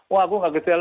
wah aku tidak kejelang